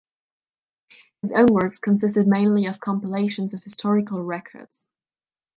His own works consisted mainly of compilations of historical records.